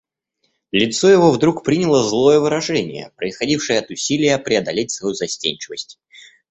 Лицо его вдруг приняло злое выражение, происходившее от усилия преодолеть свою застенчивость.